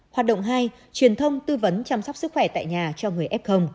hoạt động hai truyền thông tư vấn chăm sóc sức khỏe tại nhà cho người f